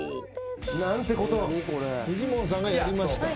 フジモンさんがやりました。